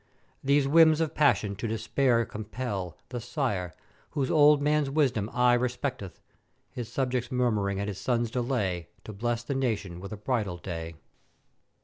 These whims of passion to despair compel the Sire, whose old man's wisdom aye respecteth, his subjects murmuring at his son's delay to bless the nation with a bridal day.